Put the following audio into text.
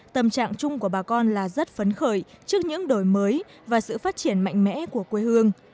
tâm trạng chung của bà con là rất phấn khởi trước những đổi mới và sự phát triển mạnh mẽ của quê hương